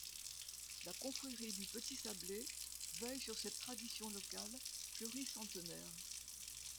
La Confrérie du Petit Sablé veille sur cette tradition locale pluri-centenaire.